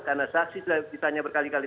karena saksi sudah ditanya berkali kali